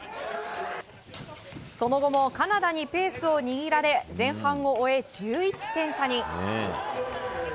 その後もカナダにペースを握られ前半を終え１１点差に。